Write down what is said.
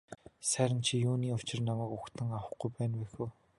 Сайран чи юуны учир намайг угтан авахгүй байна вэ хө.